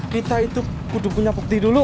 kita itu kuduk kuduknya bukti dulu